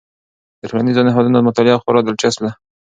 د ټولنیزو نهادونو مطالعه خورا دلچسپ ده.